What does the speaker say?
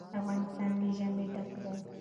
افغانستان له ژمی ډک دی.